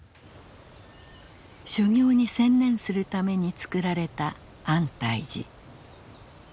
修行に専念するために作られた安泰寺。